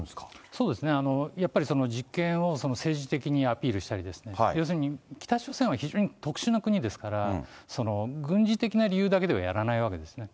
そうですね、やっぱり実験を政治的にアピールしたりですとか、要するに北朝鮮は非常に特殊な国ですから、軍事的な理由だけではやらないわけですね。